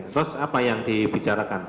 terus apa yang dibicarakan